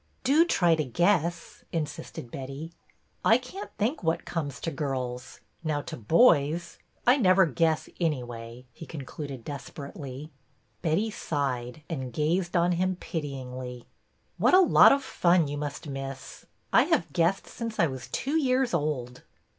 '' Do try to guess/' insisted Betty. " I can't think what comes to girls. Now, to boys — I never guess anyway," he concluded desperately. Betty sighed, and gazed on him pityingly. What a lot of fun you must miss ! I have guessed since I was two years old."